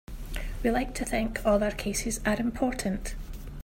We like to think all our cases are important.